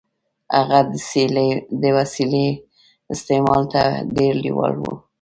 هغه د وسيلې استعمال ته ډېر لېوال نه و.